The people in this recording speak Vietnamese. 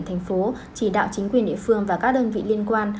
thành phố chỉ đạo chính quyền địa phương và các đơn vị liên quan